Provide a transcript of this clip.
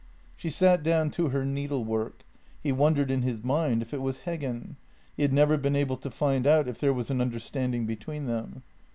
She sat down to her needlework. He wondered in his mind if it was Heggen — he had never been able to find out if there was an understanding between them.